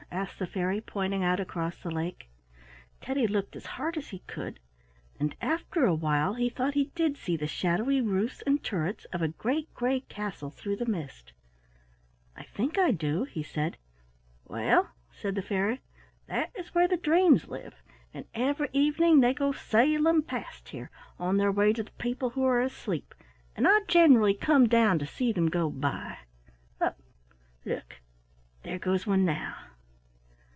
asked the fairy, pointing out across the lake. Teddy looked as hard as he could, and after a while he thought he did see the shadowy roofs and turrets of a great gray castle through the mist. "I think I do," he said. "Well," said the fairy, "that is where the dreams live, and every evening they go sailing past here, on their way to the people who are asleep, and I generally come down to see them go by. Look! look! There goes one now."